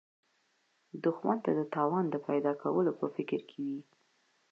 دښمن د تاوان د پیدا کولو په فکر کې وي